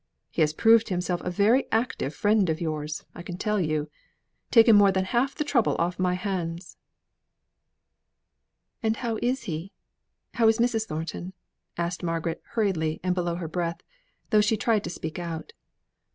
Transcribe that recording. He has proved himself a very active friend of yours, I can tell you. Taken more than half the trouble off my hands." "And how is he? How is Mrs. Thornton?" asked Margaret hurriedly and below her breath, though she tried to speak out.